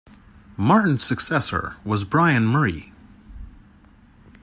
Martin's successor was Bryan Murray.